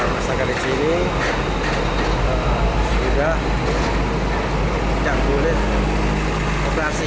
masakan di sini juga jangkulin operasi